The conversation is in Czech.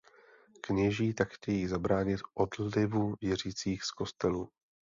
Kněží tak chtějí zabránit odlivu věřících z kostelů.